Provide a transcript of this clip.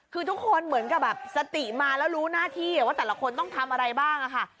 คือทุกคนเหมือนกับแบบสติมาแล้วรู้หน้าที่ว่าแต่ละคนต้องทำอะไรบ้างค่ะ